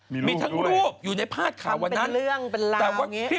มีทั้งรูปอยู่ในภาดข่าววันนั้นทำเป็นเรื่องเป็นราวอย่างนี้